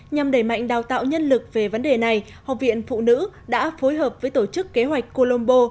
nhằm đẩy mạnh đào tạo nhân lực về vấn đề này học viện phụ nữ đã phối hợp với tổ chức kế hoạch colombo